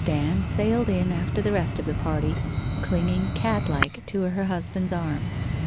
Dand sailed in after the rest of the party, clinging, catlike, to her husband's arm.